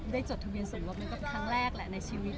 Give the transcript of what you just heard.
ได้จดทะเบียนสมบัติมันก็ครั้งแรกแหละในชีวิต